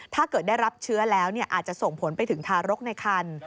ได้รับเชื้อแล้วอาจจะส่งผลไปถึงทารกในคัน